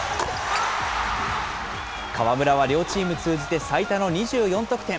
河村は両チーム通じて最多の２４得点。